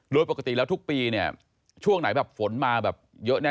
รวมปกติแล้วทุกปีช่วงไหนฝนมาแบบเยอะแน่